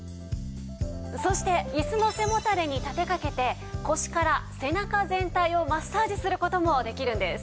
そしてイスの背もたれに立て掛けて腰から背中全体をマッサージする事もできるんです。